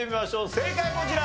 正解こちら！